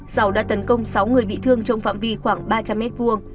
giàu đã tấn công sáu người bị thương trong phạm vi khoảng ba trăm linh mét vuông